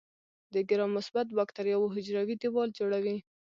د ګرام مثبت باکتریاوو حجروي دیوال جوړوي.